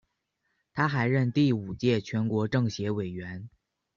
他还任第五届全国政协委员。